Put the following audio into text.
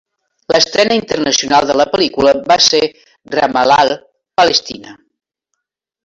L'estrena internacional de la pel·lícula va ser a Ramal·lah, Palestina.